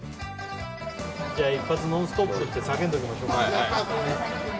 じゃあ一発「ノンストップ！」って叫んでおきましょうか。